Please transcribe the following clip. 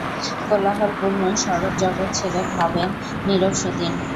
কোলাহলপূর্ণ সরব জগৎ ছেড়ে ভাবেন নীরব সুদিন।